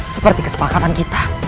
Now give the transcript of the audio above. seperti kesepakatan kita